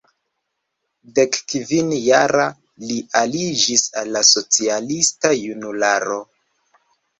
Dekkvin-jara, li aliĝis al la socialista Junularo.